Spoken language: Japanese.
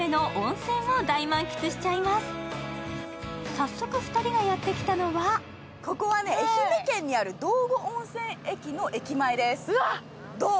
早速２人がやってきたのはここはね、愛媛県にある道後温泉駅の駅前です、どう？